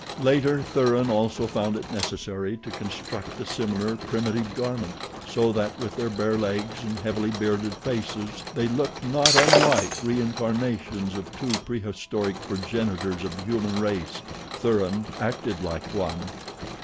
Later, Thuran also found it necessary to construct a similar primitive garment, so that, with their bare legs and heavily bearded faces, they looked not unlike reincarnations of two prehistoric progenitors of the human race. Thuran acted like one.